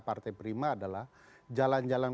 partai prima adalah jalan jalan